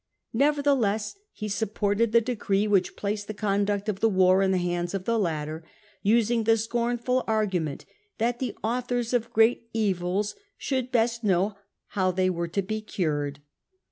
Nevertheless he supported the decree which placed the conduct of the war in the hands of the latter, using the scornful argu ment that " the authors of great evils should best know how they were to be cured."